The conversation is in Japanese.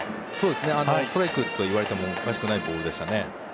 ストライクといわれてもおかしくないボールでしたね。